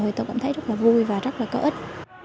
thì tôi cảm thấy rất là vui và rất là có ích